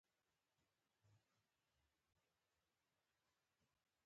پاکستان په واشنګټن کې د جګړې د پروژې د نغاړلو قیمت ترلاسه کړ.